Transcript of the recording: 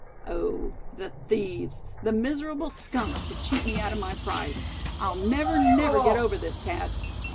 Oh! the thieves, the miserable skunks, to cheat me out of my prize! I'll never, never get over this, Thad!"